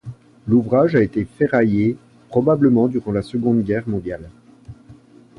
L'ouvrage a été ferraillé probablement durant la Seconde Guerre mondiale.